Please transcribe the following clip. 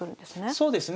そうですね。